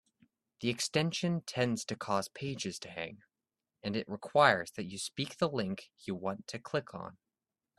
The extension tends to cause pages to hang, and it requires that you speak the link you want to click on.